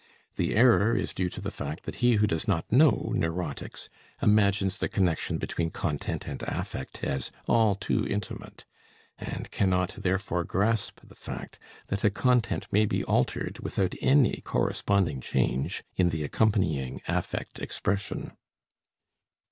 The error is due to the fact that he who does not know neurotics imagines the connection between content and affect as all too intimate, and cannot, therefore, grasp the fact that a content may be altered without any corresponding change in the accompanying affect expression.